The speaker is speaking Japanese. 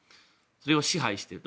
それを支配していく。